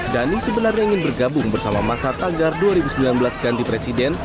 dhani sebenarnya ingin bergabung bersama masa tagar dua ribu sembilan belas ganti presiden